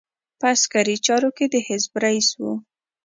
په عسکري چارو کې د حرب رئیس وو.